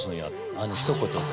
あのひと言で。